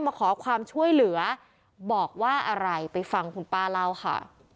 มาขอความช่วยเหลือบอกว่าอะไรไปฟังคุณป้าเล่าค่ะ